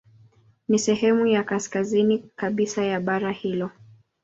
Ni sehemu ya kaskazini kabisa ya bara hilo.